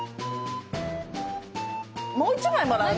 もう１枚もらうね。